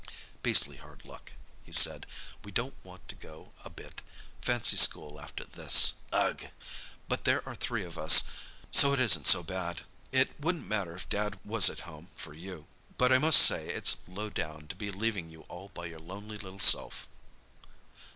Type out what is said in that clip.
"Beastly hard luck," he said. "We don't want to go a bit—fancy school after this! Ugh! But there are three of us, so it isn't so bad. It wouldn't matter if Dad was at home, for you. But I must say it's lowdown to be leaving you all by your lonely little self."